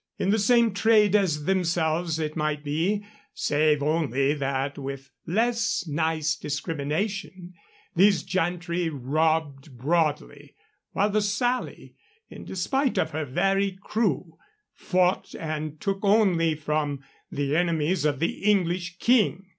In the same trade as themselves, it might be, save only that with a less nice discrimination these gentry robbed broadly, while the Sally, in despite of her very crew, fought and took only from the enemies of the English King.